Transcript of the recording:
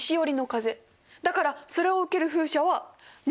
だからそれを受ける風車は西向きですね。